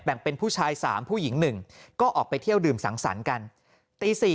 เป็นผู้ชาย๓ผู้หญิง๑ก็ออกไปเที่ยวดื่มสังสรรค์กันตี๔